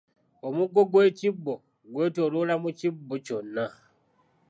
Omugo gw’ekibbo gwetooloola mu kibbo kyonna.